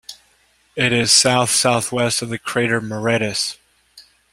It is south-southwest of the crater Moretus.